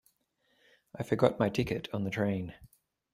I forgot my ticket on the train.